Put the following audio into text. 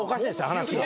話が。